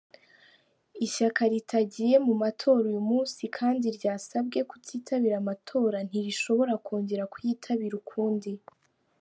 "Ishyaka ritagiye mu matora uyu munsi kandi ryasabye kutitabira amatora ntirishobora kongera kuyitabira ukundi.